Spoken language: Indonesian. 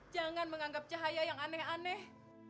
jangan menganggap cahaya yang aneh aneh